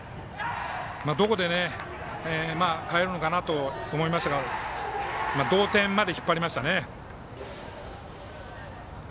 どこで代えるのかなと思いましたが同点まで引っ張りましたね。